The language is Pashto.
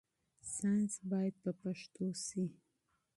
ساينس بايد پښتو شي.